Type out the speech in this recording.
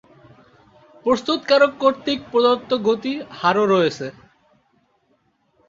প্রস্তুতকারক কর্তৃক প্রদত্ত গতি হারও রয়েছে।